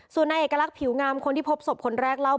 ส่วนนายเอกลักษณ์ผิวงามคนที่พบศพคนแรกเล่า